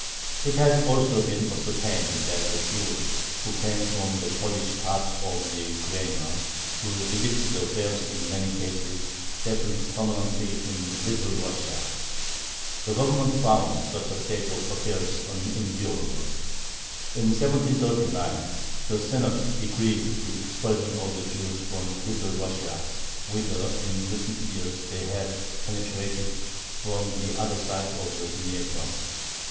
It had also been ascertained that the Jews who came from the Polish part of the Ukraina to visit the fairs in many cases settled permanently in Little Russia. The Government found such a state of affairs unendurable. In 1739 the Senate decreed the expulsion of the Jews from Little Russia, whither in recent years they had penetrated "from the other side of the Dnieper."